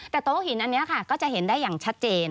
แต่โต๊ะหินอันนี้ค่ะก็จะเห็นได้อย่างชัดเจน